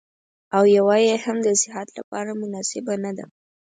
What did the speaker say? او يوه يې هم د صحت لپاره مناسبه نه ده.